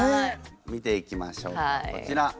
見ていきましょうこちら。